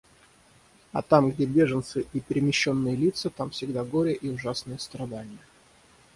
А там, где беженцы и перемещенные лица, там всегда горе и ужасные страдания.